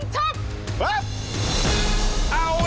เสาคำยันอาวุธิ